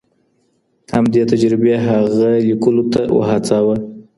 همدې تجربې هغه لیکلو ته وهڅاوه.